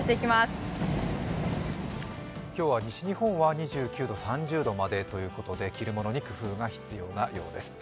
今日は西日本は２９度、３０度までということで着るものに工夫が必要なようです。